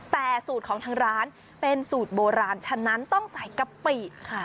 แต่สูตรของทางร้านเป็นสูตรโบราณฉะนั้นต้องใส่กะปิค่ะ